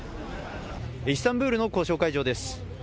イスタンブールの交渉会場です。